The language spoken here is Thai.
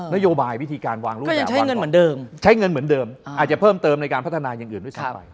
นโยบายวิธีการวางรูปแบบวางเงินเหมือนเดิมใช้เงินเหมือนเดิมอาจจะเพิ่มเติมในการพัฒนาอย่างอื่นด้วยซ้ำไป